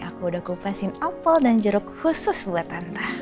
aku udah kupasin apple dan jeruk khusus buat tante